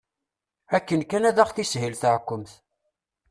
Akken kan ad aɣ-teshil teɛkemt.